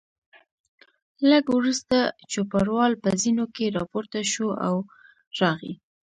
لږ وروسته چوپړوال په زینو کې راپورته شو او راغی.